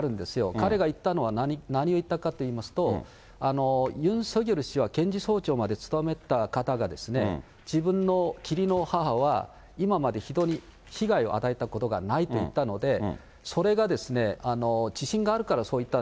彼が言ったのは何言ったかといいますと、ユン・ソギョル氏は検事総長まで務めた方が、自分の義理の母は、今まで人に被害を与えたことがないと言ったので、それが自信があるからそう言った。